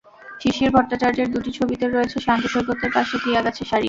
শিশির ভট্টাচার্য্যের দুটি ছবিতে রয়েছে শান্ত সৈকতের পাশে কেয়া গাছের সারি।